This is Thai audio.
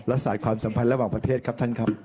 ศาสตร์ความสัมพันธ์ระหว่างประเทศครับท่านครับ